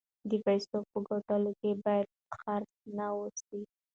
د پیسو په ګټلو کې باید حریص نه اوسو.